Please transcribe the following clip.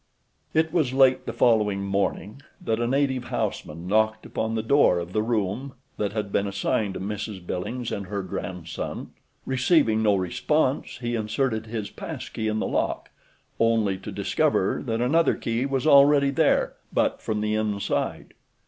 It was late the following morning that a native houseman knocked upon the door of the room that had been assigned to Mrs. Billings and her grandson. Receiving no response he inserted his pass key in the lock, only to discover that another key was already there, but from the inside.